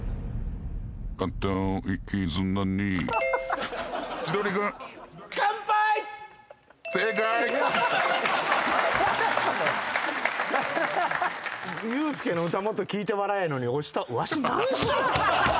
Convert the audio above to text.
ユースケの歌もっと聴いて笑やあええのに押した。